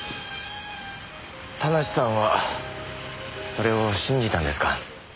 田無さんはそれを信じたんですか？